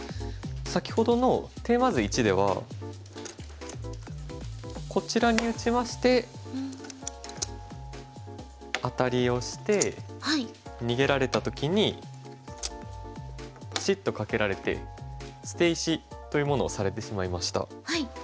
先ほどのテーマ図１ではこちらに打ちましてアタリをして逃げられた時にパシッとカケられて捨て石というものをされてしまいました。